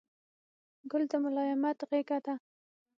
ګل د ملایمت غېږه ده.